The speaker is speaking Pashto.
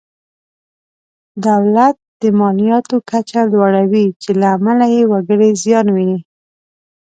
دولت د مالیاتو کچه لوړوي چې له امله یې وګړي زیان ویني.